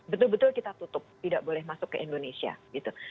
betul betul kita tutup tidak boleh masuk ke indonesia gitu